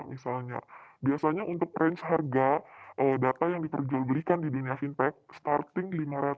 misalnya biasanya untuk range harga data yang diperjualbelikan di dunia fintech starting lima ratus